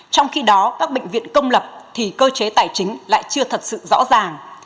trong khi đó các bệnh viện công lập thì cơ chế tài chính lại chưa thật sự rõ ràng